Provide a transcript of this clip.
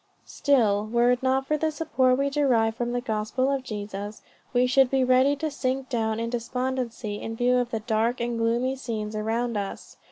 "Still, were it not for the support we derive from the gospel of Jesus, we should be ready to sink down in despondency in view of the dark and gloomy scenes around us.